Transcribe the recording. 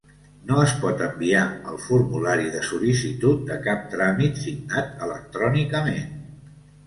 No es pot enviar el formulari de sol·licitud de cap tràmit signat electrònicament.